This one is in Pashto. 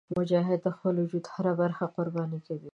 مجاهد د خپل وجود هره برخه قرباني کوي.